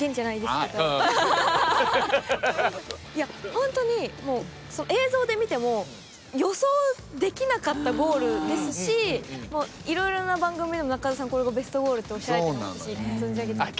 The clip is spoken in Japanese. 本当に映像で見ても予想できなかったゴールですしいろいろな番組でも中澤さんこれをベストゴールっておっしゃられてますし存じ上げておりますね。